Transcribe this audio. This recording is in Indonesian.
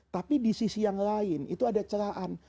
tapi di sisi yang lain itu ada celahan